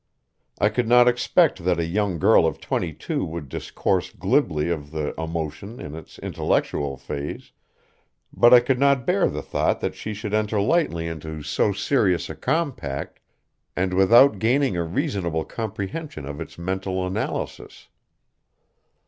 I could not expect that a young girl of twenty two would discourse glibly of the emotion in its intellectual phase, but I could not bear the thought that she should enter lightly into so serious a compact, and without gaining a reasonable comprehension of its mental analysis.